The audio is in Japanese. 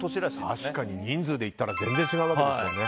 確かに人数でいったら全然違うわけですからね。